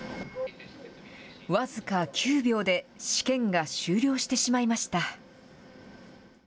僅か９秒で試験が終了してしまいました。